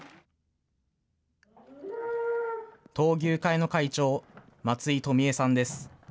闘牛会の会長、松井富栄さんです。